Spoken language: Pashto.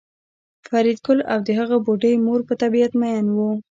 فریدګل او د هغه بوډۍ مور په طبیعت میئن وو